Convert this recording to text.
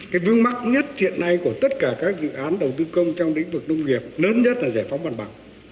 cái vương mắc nhất hiện nay của tất cả các dự án đầu tư công trong lĩnh vực nông nghiệp lớn nhất là giải phóng mặt bằng